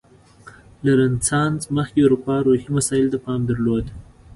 له رنسانس مخکې اروپا روحي مسایلو ته پام درلود.